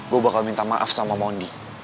saya akan minta maaf sama mondi